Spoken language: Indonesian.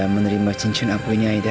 menerima cincin abunya aida